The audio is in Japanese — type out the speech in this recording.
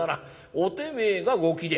おてめえがご貴殿」。